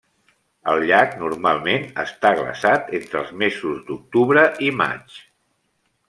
El llac normalment està glaçat entre els mesos d'octubre i maig.